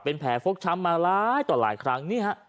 เป็นแผลฟกช้ำมาหลายต่อหลายครั้งนี่ฮะ